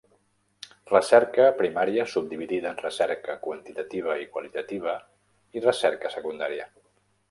Recerca primària subdividida en recerca quantitativa i qualitativa i recerca secundària.